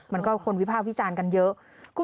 มันก็คนวิภาควิจารณ์กันเยอะ